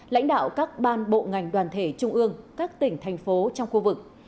lãnh đạo các ban bộ ngành đoàn thể trung ương các tỉnh thành phố trong khu vực